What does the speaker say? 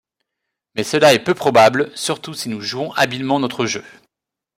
Mais cela est peu probable, surtout si nous jouons habilement notre jeu.